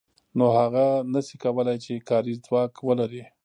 نو هغه نشي کولای چې کاري ځواک ولري